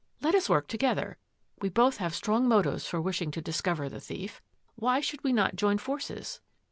" Let us work together. We both have strong motives for wishing to dis cover the thief. Why should we not join forces?